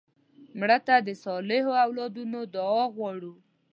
مړه ته د صالحو اولادونو دعا غواړو